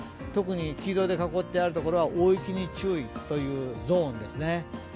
特に黄色で囲ってある所は大雪に注意というゾーンですね。